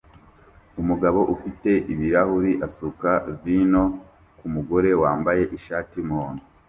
Umugabo ufite ibirahuri asuka vino kumugore wambaye ishati yumuhondo